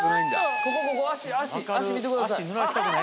ここここ足足足見てください